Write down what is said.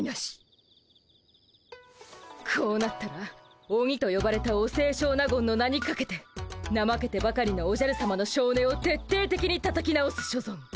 こうなったらオニとよばれたお清少納言の名にかけてなまけてばかりのおじゃるさまのしょうねをてっていてきにたたき直す所存。